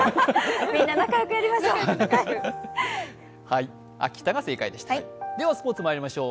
みんな仲よくやりましょう。